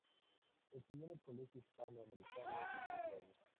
Estudió en el Colegio Hispano Americano en Santiago.